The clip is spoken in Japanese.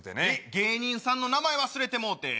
芸人さんの名前忘れてもうて。